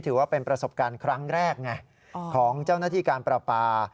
ถือว่าเป็นประสบการณ์ครั้งแรกไงของเจ้าหน้าที่การประปา